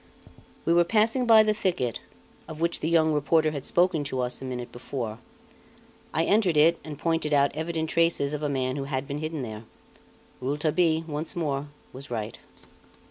We were passing by the thicket, of which the young reporter had spoken to us a minute before. I entered it and pointed out evident traces of a man who had been hidden there. Rouletabille, once more, was right.